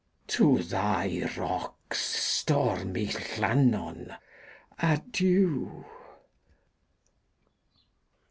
To thy rocks, stormy Llannon, adieu!